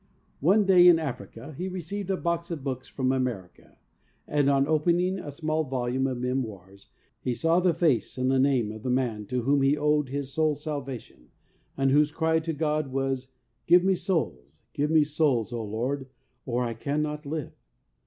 One day in Africa he received a box of books from America, and on opening a small volume of memoirs, there he saw the face and the name of the HOLINESS AND ZEAL FOR SOULS 69 man to whom he owed his soul's Salvation, and whose cry to God was, ' Give me souls, gfive me souls, O Lord, or I cannot live.